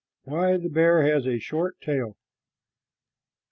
WHY THE BEAR HAS A SHORT TAIL.